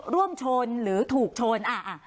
ร่วมชนหรือถูกชน